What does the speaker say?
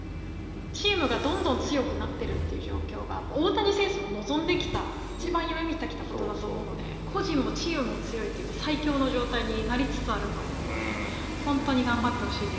チームがどんどん強くなっているという状況が大谷選手も望んできた一番夢見てきたことだと思うので個人もチームも強いって最強の状態になりつつあると思うので本当に頑張ってほしいです。